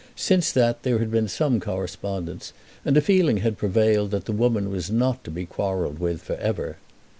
Since that there had been some correspondence, and a feeling had prevailed that the woman was not to be quarrelled with for ever.